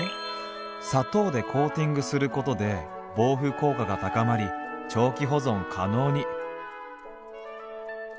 「砂糖でコーティングすることで防腐効果が高まり長期保存可能に」。